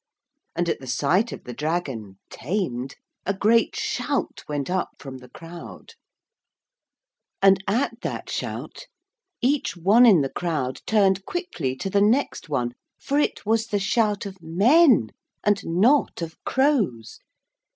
And at sight of the dragon, tamed, a great shout went up from the crowd; and at that shout each one in the crowd turned quickly to the next one for it was the shout of men, and not of crows.